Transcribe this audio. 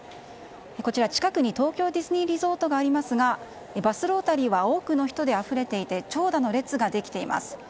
こちら近くに東京ディズニーリゾートがありますがバスロータリーは多くの人であふれていて長蛇の列ができています。